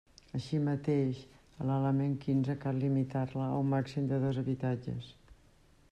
Així mateix, a l'element quinze cal limitar-la a un màxim de dos habitatges.